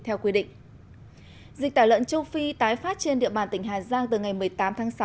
theo quy định dịch tả lợn châu phi tái phát trên địa bàn tỉnh hà giang từ ngày một mươi tám tháng sáu